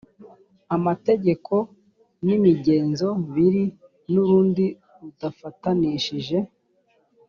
amategeko n imigenzo biri n urundi rudafatanishijwe